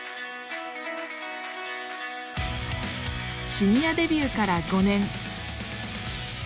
シニアデビューから５年。